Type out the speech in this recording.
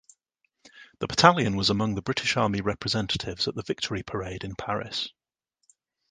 The battalion was among the British Army representatives at the Victory Parade in Paris.